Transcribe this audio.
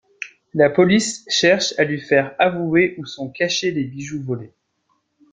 La police cherche à lui faire avouer où sont cachés les bijoux volés.